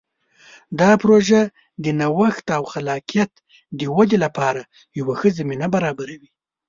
دا پروژه د نوښت او خلاقیت د ودې لپاره یوه ښه زمینه برابروي.